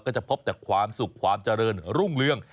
ก็จะพบแต่ความสุขความเจริญรุ่งเรือง